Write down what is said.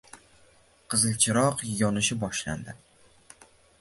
Qizil chiroq yonishni boshladi